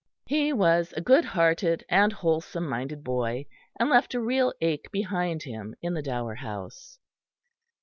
He was a good hearted and wholesome minded boy, and left a real ache behind him in the Dower House.